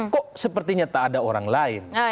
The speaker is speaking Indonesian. kok sepertinya tak ada orang lain